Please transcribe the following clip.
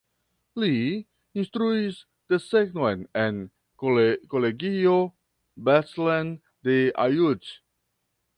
Li instruis desegnon en Kolegio Bethlen de Aiud.